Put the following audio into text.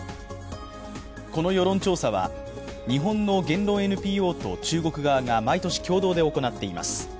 この世論調査は日本の言論ＮＰＯと中国側が毎年共同で行っています。